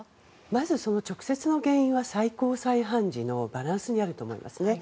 まず、直接の原因は最高裁判事のバランスにあると思いますね。